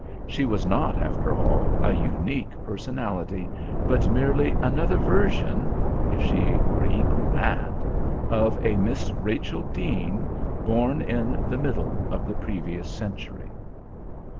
She was not, after all, a unique personality, but merely another version if she were even that? of a Miss Rachel Deane born in the middle of the previous century.